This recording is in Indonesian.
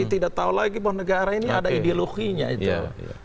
tidak tahu lagi bahwa negara ini ada ideologinya itu